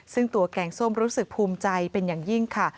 ซึ่งตัวแกงส้มรู้สึกภูมิใจเป็นอย่างยิ่งค่ะ